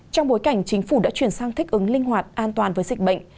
trong bối cảnh chính phủ đã chuyển sang thích ứng linh hoạt an toàn với dịch bệnh